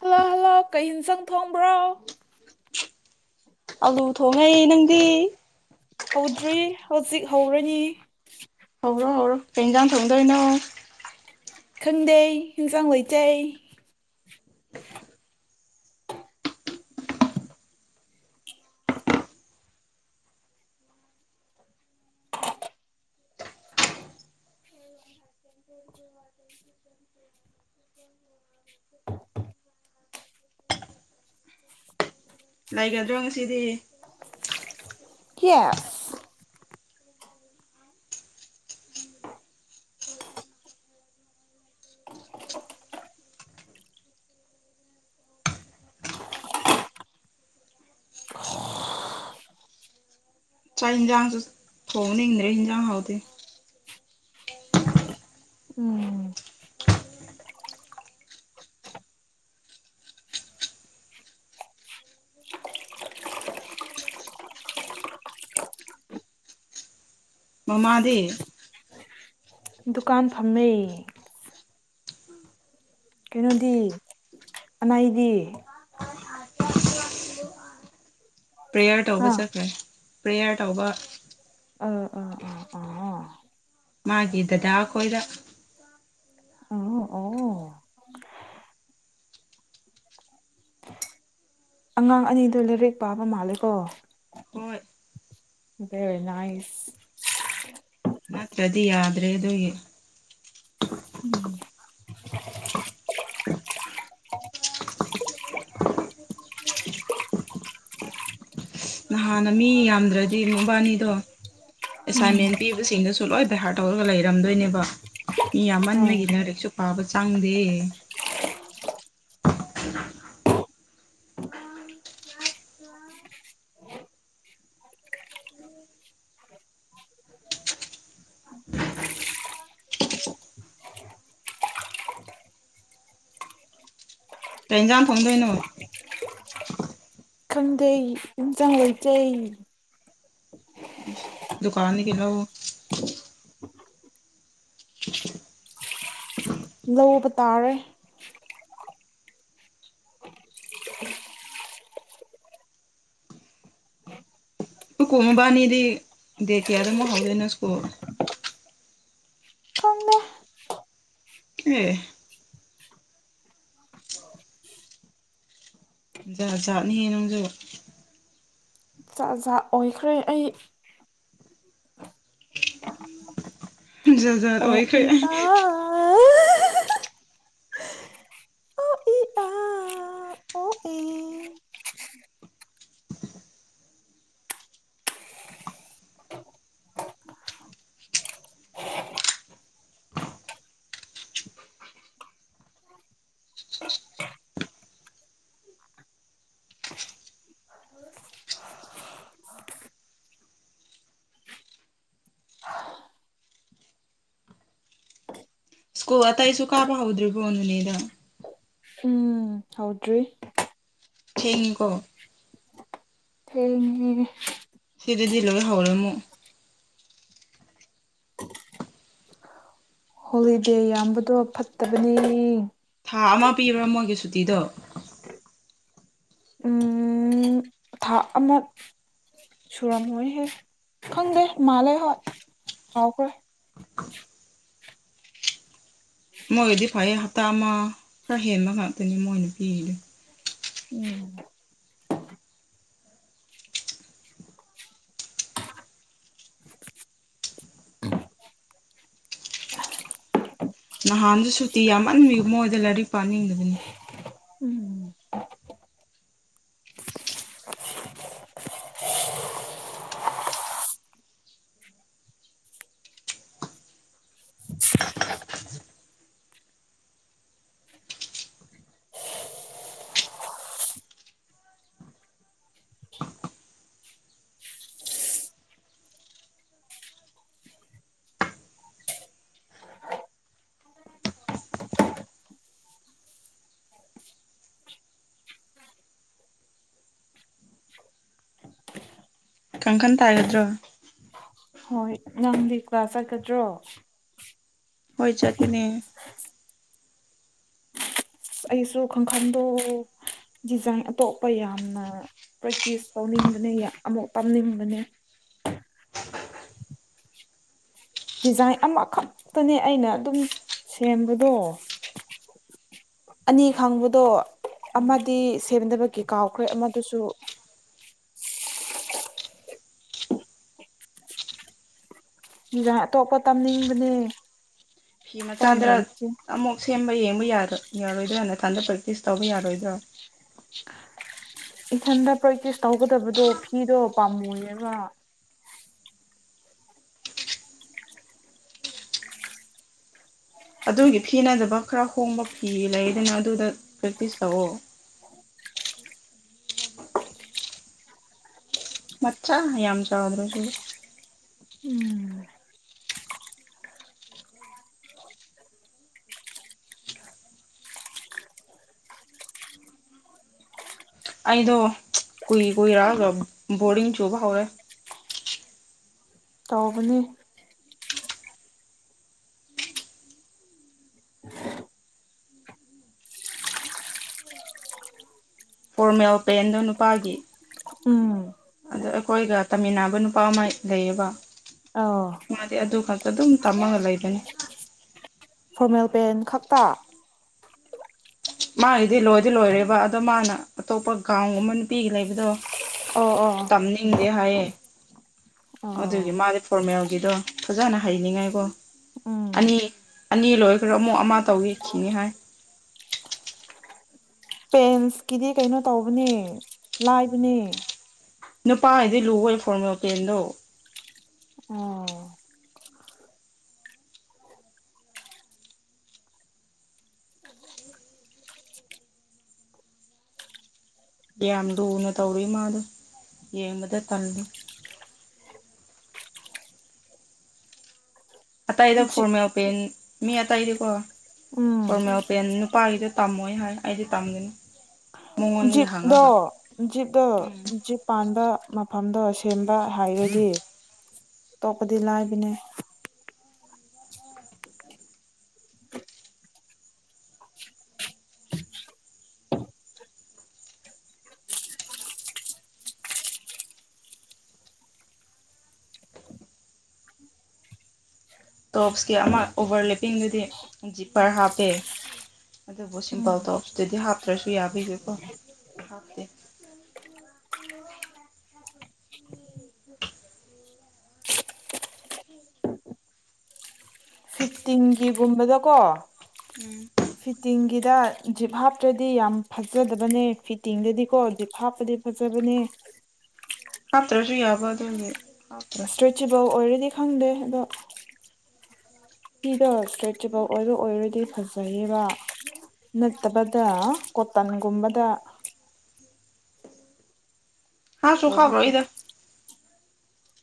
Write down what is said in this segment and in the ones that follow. hello hello ꯀꯩꯍꯤꯡꯁꯪ ꯊꯣꯡꯕ꯭ꯔꯣ ꯑꯂꯨ ꯊꯣꯡꯉꯩ ꯅꯪꯗꯤ ꯍꯧꯗ꯭ꯔꯤ ꯍꯧꯖꯤꯛ ꯍꯧꯔꯅꯤ ꯍꯧꯔꯣ ꯍꯧꯔꯣ ꯀꯩ ꯏꯟꯖꯥꯡ ꯊꯣꯡꯗꯣꯏꯅꯣ ꯈꯪꯗꯦ ꯍꯤꯡꯖꯥꯡ ꯂꯩꯩꯇꯦ [inaudible] ꯂꯩꯒꯗ꯭ꯔꯣ ꯉꯁꯤꯗꯤ ꯌꯦꯁ ꯆꯥꯛ ꯍꯤꯡꯖꯥꯡꯁꯨ ꯊꯣꯡꯅꯤꯡꯗ꯭ꯔꯦ ꯍꯤꯡꯖꯥꯡ ꯍꯥꯎꯇꯦ ꯎꯝ ꯃꯃꯥꯗꯤ ꯗꯨꯀꯥꯟ ꯐꯝꯃꯦ ꯀꯩꯅꯣꯗꯤ ꯑꯃꯩꯗꯤ ꯄ꯭ꯔꯦꯌꯔ ꯇꯧꯕ ꯑꯥ ꯆꯠꯈ꯭ꯔꯦ ꯄ꯭ꯔꯦꯌꯔ ꯇꯧꯕ ꯑꯥ ꯑꯥ ꯑꯥ ꯑꯥ ꯃꯥꯒꯤ ꯗꯗꯥ ꯈꯣꯏꯒ ꯑꯣ ꯑꯣ ꯑꯉꯥꯡ ꯑꯅꯤꯗꯣ ꯂꯩꯔꯤꯛ ꯄꯥꯕ ꯃꯥꯜꯂꯦꯀꯣ ꯍꯣꯏ ꯕꯦꯔꯤ ꯅꯥꯏ꯭ꯁ ꯅꯠꯇ꯭ꯔꯗꯤ ꯌꯥꯗ꯭ꯔꯦ ꯑꯗꯨꯏ ꯎꯝ ꯅꯍꯥꯟꯅ ꯃꯤ ꯌꯥꯝꯗ꯭ꯔꯗꯤ ꯃꯕꯥꯅꯤꯗꯣ ꯎꯝ ꯑꯦꯁꯥꯏꯟꯃꯦꯟ ꯄꯤꯕꯁꯤꯡꯗꯨꯁꯨ ꯂꯣꯏ ꯚꯩꯍꯥꯔꯠ ꯇꯧꯔꯒ ꯂꯩꯔꯝꯗꯣꯏꯅꯦꯕ ꯃꯤ ꯑꯥ ꯌꯥꯝꯃꯟꯕꯒꯤ ꯂꯥꯏꯔꯤꯛꯁꯨ ꯄꯥꯕ ꯆꯪꯗꯦ ꯀꯩꯑꯦꯟꯖꯥꯡ ꯊꯣꯡꯗꯣꯏ ꯅꯣ [inaudible] ꯈꯪꯗꯦ ꯏꯟꯖꯥꯡ ꯂꯩꯇꯦ ꯗꯨꯀꯥꯟ ꯗꯒꯤ ꯂꯧ [inaudible] ꯂꯧꯕ ꯇꯥꯔꯦ ꯍꯨ ꯀꯨꯝꯃꯕꯥꯃꯤꯗꯤ ꯗꯦꯠ ꯀꯌꯥꯗ ꯃꯨꯛ ꯍꯧꯗꯣꯏꯅꯣ ꯁ꯭ꯀꯨꯜ ꯈꯪꯗꯦ ꯑꯦ ꯖꯥ ꯖꯥꯠꯅꯤꯍꯦ ꯅꯪꯖꯨ ꯆꯥꯛ ꯖꯠ ꯑꯣꯏꯈ꯭ꯔꯦ ꯑꯩ ꯖꯥ ꯖꯥꯠ ꯑꯣ ꯑꯣꯏꯈ꯭ꯔꯦ ꯏ ꯑꯩ ꯑꯥ ꯑꯣ ꯑꯦ ꯑꯣ ꯑꯦ ꯁ꯭ꯀꯨꯜ ꯑꯇꯩꯁꯨ ꯀꯥꯕ ꯍꯧꯗ꯭ꯔꯤꯕꯣ ꯅꯣꯅꯦꯗ ꯍꯝ ꯍꯧꯗ꯭ꯔꯤ ꯊꯦꯡꯉꯤꯀꯣ ꯊꯦꯡꯉꯦꯍꯦ ꯁꯤꯗꯗꯤꯂꯣꯏ ꯍꯥꯎꯔꯦꯃꯨꯛ ꯍꯣꯂꯤꯗꯦ ꯌꯥꯝꯕꯗꯣ ꯐꯠꯇꯕꯅꯦ ꯊꯥ ꯑꯃ ꯄꯤꯕ꯭ꯔꯥ ꯃꯣꯏꯒꯤ ꯁꯨꯇꯤꯗꯣ ꯎꯝ ꯊꯥ ꯑꯃꯛ ꯁꯨꯔꯝꯃꯣꯏꯍꯦ ꯈꯪꯗꯦ ꯃꯥꯜꯂꯦ ꯍꯣꯏ ꯀꯥꯎꯈ꯭ꯔꯦ ꯃꯣꯏꯒꯤꯗꯤ ꯐꯌꯦ ꯍꯞꯇꯥ ꯑꯃ ꯈꯔ ꯍꯦꯟꯕ ꯉꯥꯛꯇꯅꯤ ꯃꯣꯏꯅ ꯄꯤꯔꯤꯗꯤ ꯎꯝ ꯅꯍꯥꯟꯖꯨ ꯁꯨꯇꯤ ꯌꯥꯝꯃꯟꯕꯒꯤ ꯃꯣꯏꯖꯦ ꯂꯥꯏꯔꯤꯛ ꯄꯥꯅꯤꯡꯗꯕꯅꯤ ꯎꯝ ꯀꯪ ꯀꯟ ꯇꯥꯏꯒꯗ꯭ꯔꯣ ꯍꯣꯏ ꯉꯪꯗꯤ ꯀ꯭ꯂꯥꯁ ꯆꯠꯀꯗ꯭ꯔꯣ ꯍꯣꯏ ꯆꯠꯒꯅꯦ ꯑꯩꯁꯨ ꯈꯪꯈꯪꯗꯣ ꯗꯤꯖꯥꯏꯟ ꯑꯇꯣꯞꯄ ꯌꯥꯝꯅ ꯄ꯭ꯔꯦꯛꯇꯤꯁ ꯇꯧꯅꯤꯡꯕꯅꯦ ꯑꯃꯨꯛ ꯇꯝꯅꯤꯡꯕꯅꯦ ꯗꯤꯖꯥꯏꯟ ꯑꯃꯈꯛꯇꯅꯦ ꯑꯩꯅ ꯑꯗꯨꯝ ꯁꯦꯝꯕꯗꯣ [inaudible] ꯑꯅꯤ ꯈꯪꯕꯗꯣ ꯎꯝ ꯑꯃꯗꯤ ꯁꯦꯝꯗꯕꯒꯤ ꯀꯥꯎꯈ꯭ꯔꯦ ꯑꯃꯗꯨꯁꯨ ꯗꯤꯖꯥꯏꯟ ꯑꯇꯣꯞꯄ ꯇꯝꯅꯤꯡꯕꯅꯦ ꯐꯤ ꯎꯄꯥꯏ ꯃꯆꯥꯗꯔꯛ ꯂꯩꯇꯦ ꯑꯃꯨꯛ ꯁꯦꯝꯕ ꯌꯦꯡꯕ ꯌꯥꯔꯣ ꯌꯥꯔꯣꯏꯗ꯭ꯔꯥꯅ ꯊꯟꯗ ꯄ꯭ꯔꯦꯛꯇꯤꯁ ꯇꯧꯕ ꯌꯥꯔꯣꯏꯗ꯭ꯔꯣ ꯏꯊꯟꯗ ꯄ꯭ꯔꯦꯛꯇꯤꯁ ꯇꯧꯒꯗꯕꯗꯣ ꯐꯤꯗꯣ ꯄꯥꯝꯃꯨꯏꯌꯦꯕ ꯑꯗꯨꯒꯤ ꯐꯤꯅꯠꯗꯕ ꯈꯔ ꯍꯣꯡꯕ ꯐꯤ ꯂꯩꯗꯅ ꯑꯗꯨꯗ ꯄ꯭ꯔꯦꯛꯇꯤꯁ ꯇꯧꯑꯣ ꯃꯠꯆꯥ ꯌꯥꯝ ꯆꯥꯎꯗ꯭ꯔꯣꯁꯨ ꯎꯝ ꯑꯩꯗꯣ ꯀꯨꯏ ꯀꯨꯏꯔꯥꯛꯑꯒ ꯕꯣꯔꯤꯡ ꯆꯨꯕ ꯍꯧꯋꯦ ꯇꯧꯕꯅꯦ ꯐꯣꯔꯃꯦꯜ ꯄꯦꯟꯗꯣ ꯅꯨꯄꯥꯒꯤ ꯎꯝ ꯑꯗ ꯑꯩꯈꯣꯏꯒ ꯇꯥꯃꯤꯟꯅꯕ ꯅꯨꯄꯥ ꯑꯃ ꯂꯩꯌꯦꯕ ꯑꯧ ꯃꯥꯗꯤ ꯑꯗꯨ ꯈꯛꯇ ꯑꯗꯨꯝ ꯇꯝꯃꯒ ꯂꯩꯕꯅꯤ ꯐꯣꯔꯃꯦꯜ ꯄꯦꯟ ꯈꯛꯇ ꯃꯥꯒꯤꯗꯤ ꯂꯣꯏꯗꯤ ꯂꯣꯏꯔꯦꯕ ꯑꯗꯣ ꯃꯥꯅ ꯑꯇꯣꯞꯄ ꯒꯥꯎꯟꯒꯨꯝꯕ ꯅꯨꯄꯤꯒꯤ ꯂꯩꯕꯗꯣ ꯑꯣ ꯑꯣ ꯑꯣ ꯇꯝꯅꯤꯡꯗꯦ ꯍꯥꯏꯌꯦ ꯑꯥ ꯑꯗꯨꯒꯤ ꯃꯥꯗꯤ ꯐꯣꯔꯃꯦꯜꯒꯤꯗꯣ ꯐꯖꯅ ꯍꯩꯅꯤꯡꯉꯥꯏꯀꯣ ꯎꯝ ꯑꯅꯤ ꯑꯅꯤ ꯂꯣꯏꯈ꯭ꯔ ꯑꯃꯨꯛ ꯑꯃ ꯇꯧꯋꯤꯈꯤꯅꯤ ꯍꯥꯏ ꯁꯀꯤꯗꯤ ꯀꯩꯅꯣ ꯇꯧꯕꯅꯦ ꯂꯥꯏꯕꯅꯦ ꯅꯨꯄꯥ ꯍꯥꯏꯗꯤ [unintelligible] ꯐꯣꯔꯃꯦꯜ ꯄ꯭ꯂꯦꯟꯗꯣ ꯑꯣ ꯌꯥꯝ ꯂꯨꯅ ꯇꯧꯔꯨꯏ ꯃꯥꯗꯣ ꯌꯦꯡꯕꯗ ꯇꯜꯂꯦ ꯑꯇꯩꯗ ꯖꯤꯞ ꯐꯣꯔꯃꯦꯜ ꯄꯦꯟ ꯃꯤ ꯑꯇꯩꯗꯤꯀꯣ ꯎꯝ ꯐꯣꯔꯃꯦꯜ ꯄꯦꯟ ꯅꯨꯄꯥꯒꯤꯗꯣ ꯇꯝꯃꯣꯏ ꯍꯥꯏ ꯑꯩꯗꯤ ꯇꯝꯒꯅꯤ ꯃꯉꯣꯟꯗꯒꯤ ꯍꯪꯉꯒ ꯎꯝ [unintelligible] ꯄꯥꯟꯕ ꯃꯐꯝꯗꯣ ꯁꯦꯝꯕ ꯍꯩꯔꯗꯤ ꯑꯇꯣꯞꯄꯗꯤ ꯂꯥꯏꯕꯅꯦ ꯇꯣꯞꯁꯀꯤ ꯑꯃ ꯑꯣꯚꯔ ꯂꯦꯞꯄꯤꯡꯗꯨꯗꯤ ꯖꯤꯞꯄꯔ ꯍꯥꯞꯄꯦ ꯑꯗꯨꯕꯨ ꯎꯝ ꯁꯤꯝꯄꯜ ꯇꯣꯞꯁꯇꯗꯤ ꯍꯥꯞꯇ꯭ꯔꯁꯨ ꯌꯥꯕꯒꯤꯀꯣ ꯍꯥꯞꯇꯦ [inaudible] ꯐꯤꯞꯇꯤꯟꯒꯤ ꯒꯨꯝꯕꯗꯀꯣ ꯎꯝ ꯇꯤꯟꯒꯤꯗ ꯖꯤꯞ ꯍꯥꯞꯇ꯭ꯔꯗꯤ ꯌꯥꯝ ꯐꯖꯗꯕꯅꯦ ꯐꯤꯠꯇꯤꯡꯒꯤꯗꯤꯀꯣ ꯖꯤꯞ ꯍꯥꯞꯄꯗꯤ ꯐꯖꯕꯅꯦ ꯍꯥꯞꯇ꯭ꯔꯁꯨ ꯌꯥꯕ ꯑꯗꯨꯒꯤ ꯍꯥꯞꯇ꯭ꯔꯦ ꯏꯁꯇ꯭ꯔꯦꯠꯆꯦꯕꯜ ꯑꯣꯏꯔꯗꯤ ꯈꯪꯗꯦ ꯑꯗꯣ ꯐꯤꯗꯣ ꯏꯁꯇ꯭ꯔꯦꯠꯆꯦꯕꯜ ꯑꯣꯏꯔꯣ ꯑꯣꯏꯔꯗꯤ ꯐꯖꯩꯌꯦꯕ ꯅꯠꯇꯕꯗ ꯀꯣꯇꯟꯒꯨꯝꯕꯗ ꯍꯥꯞꯁꯨ ꯍꯥꯞꯔꯣꯏꯗ [unintelligible]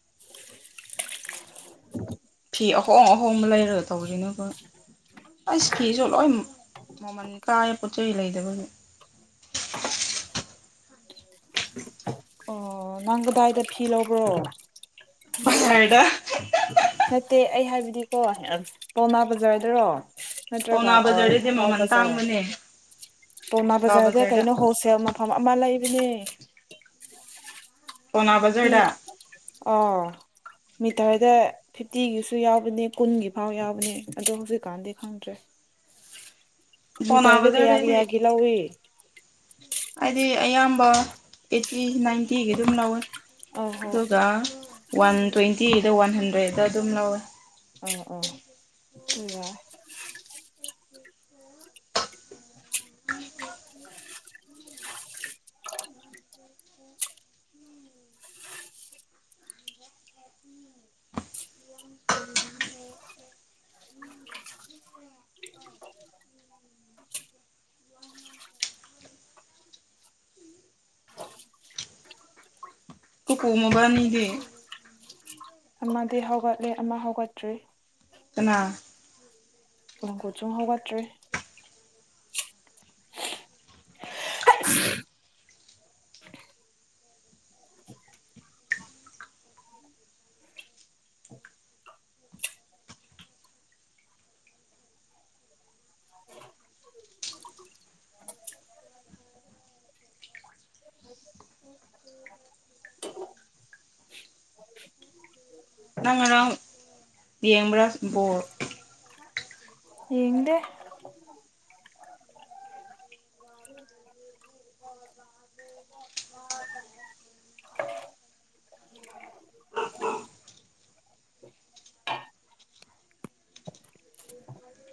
[unintelligible] ꯐꯤ ꯑꯍꯣꯡ ꯑꯍꯣꯡꯕ ꯂꯩꯔꯒ ꯇꯧꯔꯤꯅꯦꯀꯣ ꯑꯁ ꯐꯤꯁꯨ ꯂꯣꯏꯝ ꯃꯃꯜ ꯀꯥꯏꯌꯦ ꯄꯣꯠ ꯆꯩ ꯂꯩꯗꯕꯒꯤ [inaudible] [unintelligible] ꯑꯣ ꯅꯪ ꯀꯗꯥꯏꯗ ꯐꯤ ꯂꯧꯕ꯭ꯔꯣ ꯕꯁꯔꯗ ꯅꯠꯇꯦ ꯑꯩ ꯍꯥꯏꯕꯗꯤꯀꯣ ꯄꯧꯅꯥ ꯕꯖꯥꯔꯗꯔꯣ ꯅꯠꯇ꯭ꯔꯒ ꯄꯥꯎꯅꯥ ꯑꯣꯔ ꯕꯖꯥꯔꯗꯗꯤ ꯊꯣꯡꯒꯥꯜ ꯃꯃꯜ ꯕꯖꯔ ꯇꯥꯡꯕꯅꯦ ꯄꯣꯃꯥ ꯕꯖꯥꯔꯗ ꯀꯩꯅꯣ ꯍꯣꯜꯁꯦꯜ ꯑꯃ ꯐꯝ ꯑꯃ ꯂꯩꯕꯅꯦ ꯄꯥꯎꯅꯥ ꯐꯤ ꯕꯖꯥꯔꯗ ꯑꯥ ꯃꯤꯇꯔꯗ ꯐꯤꯐꯇꯤꯒꯤꯁꯨ ꯌꯥꯎꯕꯅꯦ ꯀꯨꯟꯒꯤ ꯐꯥꯎ ꯌꯥꯎꯕꯅꯦ ꯑꯗꯣ ꯍꯧꯖꯤꯛꯀꯥꯟꯗꯤ ꯈꯪꯗ꯭ꯔꯦ ꯄꯥꯎꯅꯥ ꯃꯤꯇꯔꯗ ꯀꯌꯥ ꯕꯖꯥꯔꯗꯩꯗꯤ ꯀꯌꯥꯒꯤ ꯂꯧꯏ ꯑꯩꯗꯤ ꯑꯌꯥꯝꯕ ꯑꯩꯠꯇꯤ ꯅꯥꯏꯟꯇꯤꯒꯤ ꯑꯗꯨꯝ ꯂꯧꯋꯦ ꯑꯧ ꯍꯣꯏ ꯑꯗꯨꯒ ꯋꯥꯟ ꯇ꯭ꯋꯦꯟꯇꯤꯗ ꯋꯥꯟ ꯍꯟꯗ꯭ꯔꯦꯗ ꯑꯗꯨꯝ ꯂꯧꯋꯦ ꯑꯣ ꯑꯣ ꯗꯨ ꯌꯥꯏ [unintelligible] [unintelligible] [inaudible] ꯀꯨꯀꯨ ꯃꯕꯥꯅꯤꯒꯤ ꯑꯃꯗꯤ ꯍꯧꯒꯠꯂꯦ ꯑꯃ ꯍꯧꯒꯠꯇ꯭ꯔꯤ ꯀꯅꯥ ꯂꯣꯡꯀꯣꯆꯨꯡ ꯍꯧꯒꯠꯇ꯭ꯔꯤ [unintelligible] ꯅꯪ ꯉꯔꯥꯡ ꯌꯦꯡꯕ꯭ꯔꯥ ꯕꯣꯜ ꯌꯦꯡꯗꯦ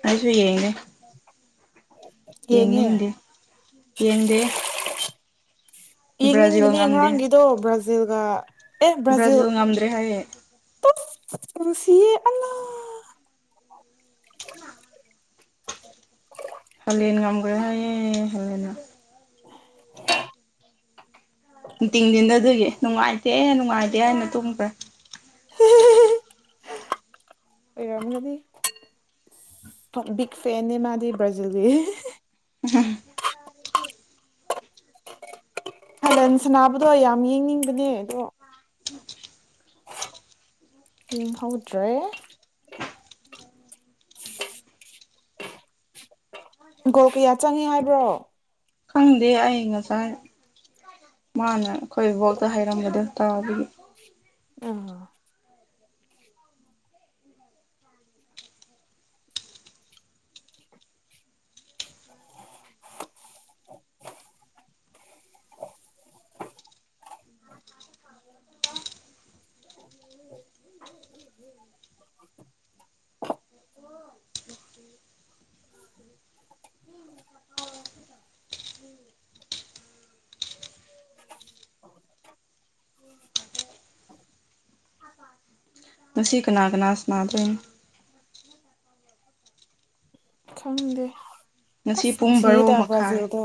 ꯑꯩꯁꯨ ꯌꯦꯡꯅꯦ ꯌꯦꯉꯦ ꯌꯦꯡꯗꯦ ꯕ꯭ꯔꯥꯖꯤꯜ ꯌꯦꯡꯅꯤꯡꯕꯅꯦ ꯉꯝꯗꯦ ꯉꯔꯥꯡꯒꯤꯗꯣ ꯕ꯭ꯔꯥꯖꯤꯜꯒ ꯑꯦ ꯕ꯭ꯔꯥꯖꯤꯜ ꯉꯝꯗ꯭ꯔꯦ ꯍꯥꯏꯌꯦ ꯅꯨꯡꯁꯤꯌꯦ ꯑꯅꯥ ꯍꯂꯦꯟ ꯉꯝꯈ꯭ꯔꯦ ꯍꯥꯏꯌꯦ ꯍꯂꯦꯟꯅ ꯇꯤꯡꯇꯤꯡꯖꯤꯟꯗ ꯑꯗꯨꯒꯤ ꯅꯨꯡꯉꯥꯏꯇꯦ ꯅꯨꯡꯉꯥꯏꯇꯦ ꯍꯥꯏꯅ ꯇꯨꯝꯈ꯭ꯔꯦ ꯑꯣꯏꯔꯝꯒꯗꯤ ꯕꯤꯛ ꯐꯦꯟꯅꯤ ꯃꯥꯗꯤ ꯕ꯭ꯔꯥꯖꯤꯜꯒꯤ [unintelligible] ꯆꯜꯁꯅꯥꯕꯗꯣ ꯌꯥꯝ ꯌꯦꯡꯅꯤꯡꯕꯅꯦ ꯑꯗꯣ ꯌꯦꯡ ꯍꯧꯗ꯭ꯔꯦ ꯒꯣꯜ ꯀꯌꯥ ꯆꯪꯉꯦ ꯍꯥꯏꯕ꯭ꯔꯣ ꯈꯪꯗꯦ ꯑꯩ ꯉꯁꯥꯏ ꯃꯥꯅ ꯑꯩꯈꯣꯏꯕꯣꯛꯇ ꯍꯥꯏꯩꯔꯝꯕꯗꯣ ꯇꯥꯕꯒꯤ ꯑ ꯉꯁꯤ ꯀꯅꯥ ꯀꯅꯥ ꯁꯅꯥꯗꯣꯏꯅꯣ ꯈꯪꯗꯦ ꯉꯁꯤ ꯑꯁ ꯄꯨꯡ ꯕꯔꯣ ꯅꯨꯡꯁꯤꯌꯦꯗ ꯃꯈꯥꯏꯔꯦ ꯕ꯭ꯔꯥꯖꯤꯜꯗꯣ